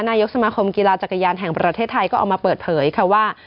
นายกสมาคมกีฬาจักรยานแห่งประเทศไทยก็ออกมาเปิดเผยค่ะว่า